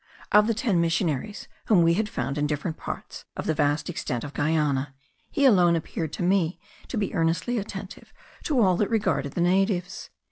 Of the ten missionaries whom we had found in different parts of the vast extent of Guiana, he alone appeared to me to be earnestly attentive to all that regarded the natives.